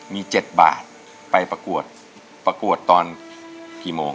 มี๗บาทไปประกวดประกวดตอนกี่โมง